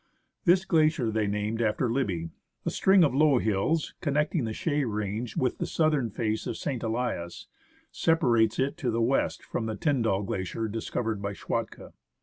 This glacier they named after Libbey. A string of low hills, connecting the Chaix range with the southern face of St. Elias, separates it to the west from the Tyndall Glacier discovered by Schwatka.